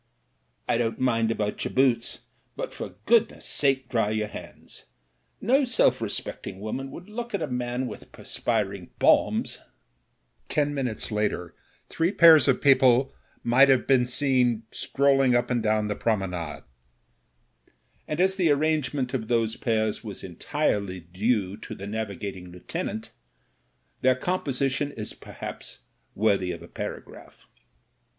"I don't mind about your boots ; but for goodness* sake dry your hands. No self respecting woman would look at a man with perspiring palms." Ten minutes later three pairs of people might have i62 MEN, WOMEN AND GUNS been seen strolling up and down the Promenade. And as the arrangement of those pairs was entirely due to the navigating lieutenant, their composition is per haps worthy of a paragraph.